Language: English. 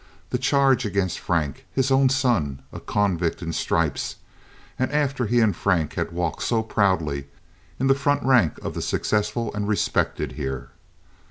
That charge against Frank! His own son, a convict in stripes—and after he and Frank had walked so proudly in the front rank of the successful and respected here.